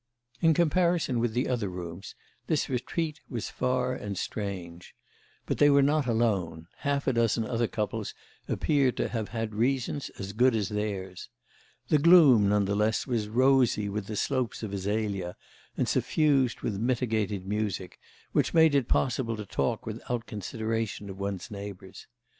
In comparison with the other rooms this retreat was far and strange. But they were not alone; half a dozen other couples appeared to have had reasons as good as theirs. The gloom, none the less, was rosy with the slopes of azalea and suffused with mitigated music, which made it possible to talk without consideration of one's neighbours.